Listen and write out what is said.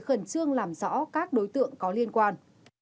khẩn trương làm rõ các đối tượng có liên quan